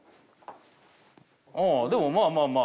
ああでもまあまあま